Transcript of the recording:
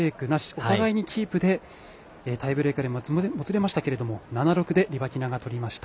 お互いにキープでタイブレークにもつれましたけども７−６でリバキナが取りました。